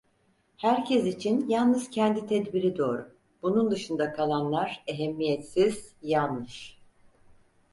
Herkes için yalnız kendi tedbiri doğru, bunun dışında kalanlar ehemmiyetsiz, yanlış…